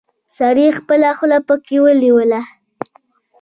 سړي خپله خوله پکې ونيوله.